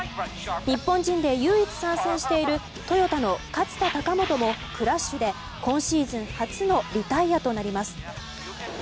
日本人で唯一参戦しているトヨタの勝田貴元もクラッシュで今シーズン初のリタイアとなります。